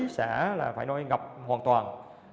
bảy xã là phải nói ngập hoàn toàn